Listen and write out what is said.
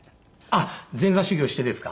あっ前座修業してですか？